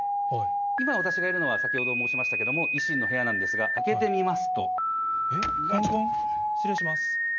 今、私がいるのは、先ほど申しましたけれども、維新の部屋なんですが、開けてみますと、失礼します。